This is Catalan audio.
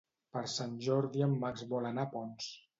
Per Sant Jordi en Max vol anar a Ponts.